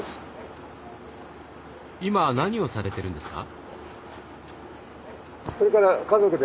今何をされてるんですか？